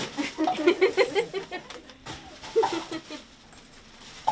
フフフフフ。